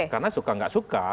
karena suka tidak suka